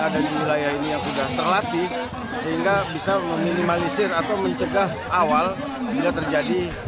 ada di wilayah ini yang sudah terlatih sehingga bisa meminimalisir atau mencegah awal bila terjadi